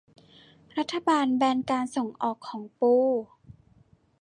รัฐบาลแบนการส่งออกของปู